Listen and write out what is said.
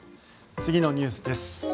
次のニュースです。